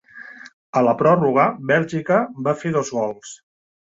A la pròrroga, Bèlgica va fer dos gols.